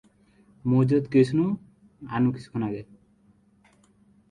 মন্দিরের তখনও প্রতিষ্ঠা হয়নি।